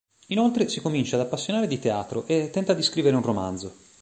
Inoltre, si comincia ad appassionare di teatro e tenta di scrivere un romanzo.